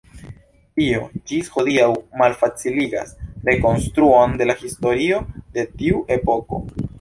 Tio ĝis hodiaŭ malfaciligas rekonstruon de la historio de tiu epoko.